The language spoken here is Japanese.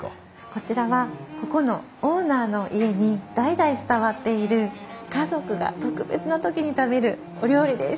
こちらはここのオーナーの家に代々伝わっている家族が特別な時に食べるお料理です。